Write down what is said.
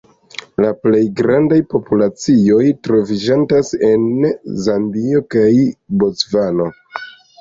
La plej grandaj populacioj troviĝantas en Zambio kaj Bocvano.